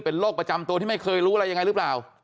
เป็นโรคประจำตัวที่ไม่เคยรู้อะไรยังไงหรือเปล่า